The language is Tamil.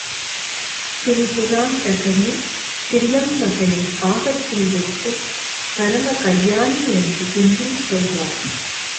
த்ரிபுராந் தகனைத் த்ரியம்பகனைப் பாகத்தில் வைக்கும் பரமகல் யாணி என்று பின்பும் சொல்வார்.